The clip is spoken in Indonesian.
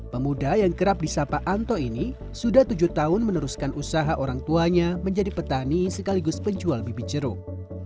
pemuda yang kerap disapa anto ini sudah tujuh tahun meneruskan usaha orang tuanya menjadi petani sekaligus penjual bibit jeruk